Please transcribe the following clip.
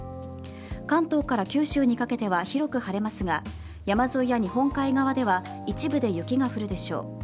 関東から九州にかけては広く晴れますが山沿いや日本海側では一部で雪が降るでしょう。